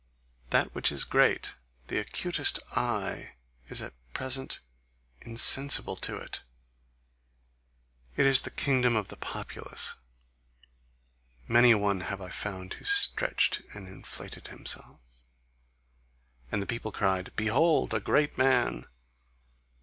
That which is great, the acutest eye is at present insensible to it. It is the kingdom of the populace. Many a one have I found who stretched and inflated himself, and the people cried: 'Behold; a great man!